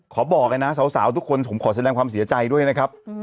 บอกเลยนะสาวทุกคนผมขอแสดงความเสียใจด้วยนะครับ